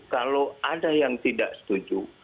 kalau ada yang tidak setuju